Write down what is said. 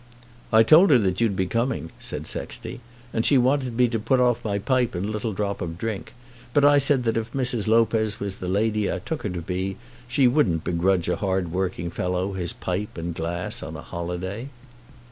"I told her that you'd be coming," said Sexty, "and she wanted me to put off my pipe and little drop of drink; but I said that if Mrs. Lopez was the lady I took her to be she wouldn't begrudge a hard working fellow his pipe and glass on a holiday."